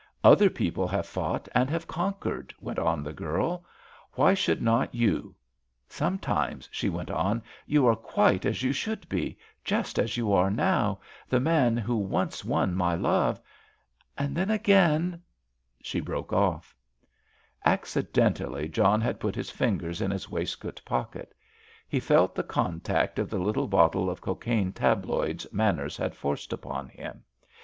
"Other people have fought and have conquered," went on the girl. "Why should not you? Sometimes," she went on, "you are quite as you should be, just as you are now—the man who once won my love. And then, again——" She broke off. Accidentally John had put his fingers in his waistcoat pocket. He felt the contact of the little bottle of cocaine tabloids Manners had forced upon him.